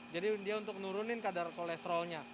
jadi dia untuk menurunin kadar kolesterolnya